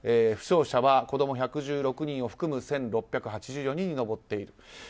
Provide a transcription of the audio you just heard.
負傷者は子供１１６人を含む１６８４人に上っている。